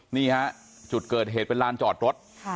นี่ฮะจุดเกิดเหตุเป็นลานจอดรถ